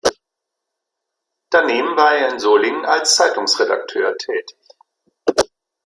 Daneben war er in Solingen als Zeitungsredakteur tätig.